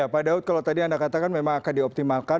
pak daud kalau tadi anda katakan memang akan dioptimalkan